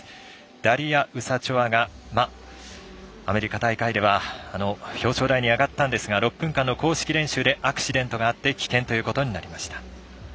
ダリア・ウサチョワがアメリカ大会では表彰台に上がったんですが６分間の公式練習でアクシデントがあって棄権ということになりました。